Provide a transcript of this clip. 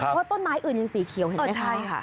เพราะต้นไม้อื่นยังสีเขียวเห็นไหมคะ